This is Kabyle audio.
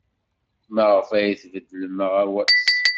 Maɣef ay tbeddlem aɣawas?